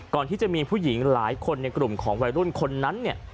ก่อนที่จะมีผู้หญิงหลายคนในกลุ่มของวัยรุ่นคนนั้นเนี่ย